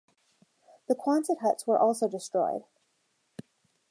The Quonset Huts were also destroyed.